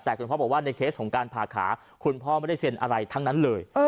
แต่คุณพ่อบอกว่าในเคสของการผ่าขาคุณพ่อไม่ได้เซ็นอะไรทั้งนั้นเลย